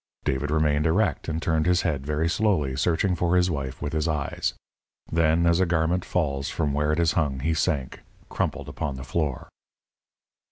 David remained erect, and turned his head very slowly, searching for his wife with his eyes. Then, as a garment falls from where it is hung, he sank, crumpled, upon the floor.